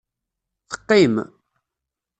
Teqqim.